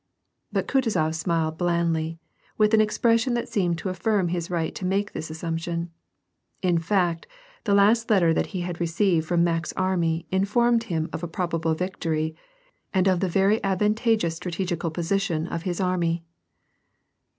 But Kutuzof smiled blandly, with an expression that seemed to affirm his right to make this assump tion. In fact, the last letter that he had received from Mack's army informed him of a probable victory, and of the very ^advantageous strategical position of his army.